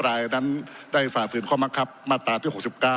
รายนั้นได้ฝ่าฝืนข้อมังคับมาตราที่๖๙